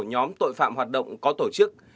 nhóm tội phạm hoạt động có tổ chức